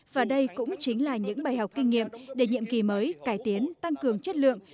và đây cũng chính là những bài học kinh nghiệm để nhiệm kỳ mới cải tiến tăng cường chất lượng